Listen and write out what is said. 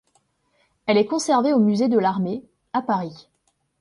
Elle est conservée au musée de l'Armée, à Paris.